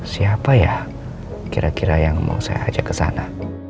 siapa ya kira kira yang mau saya ajak kesana